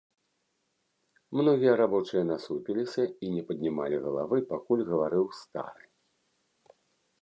Многія рабочыя насупіліся і не паднімалі галавы, пакуль гаварыў стары.